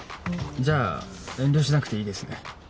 じゃあ遠慮しなくていいですね